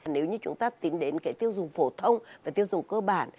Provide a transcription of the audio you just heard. nếu như chúng ta tính đến cái tiêu dùng phổ thông và tiêu dùng cơ bản